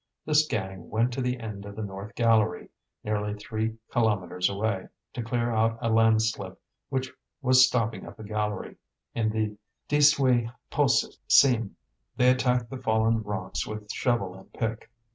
This gang went to the end of the north gallery, nearly three kilometres away, to clear out a landslip which was stopping up a gallery in the Dix Huit Pouces seam. They attacked the fallen rocks with shovel and pick.